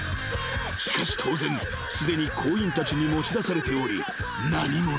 ［しかし当然すでに行員たちに持ち出されており何もない］